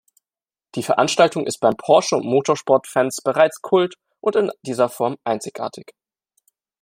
Die Veranstaltung ist bei Porsche- und Motorsport-Fans bereits Kult und in dieser Form einzigartig.